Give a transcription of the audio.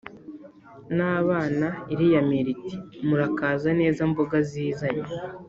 n’abana iriyamira iti: “murakaza neza mboga zizanye!